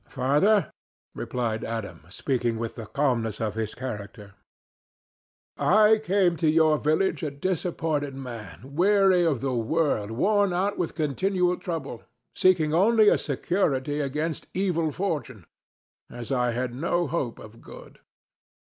"Father," replied Adam, speaking with the calmness of his character, "I came to your village a disappointed man, weary of the world, worn out with continual trouble, seeking only a security against evil fortune, as I had no hope of good.